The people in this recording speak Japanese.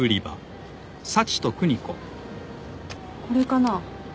これかな？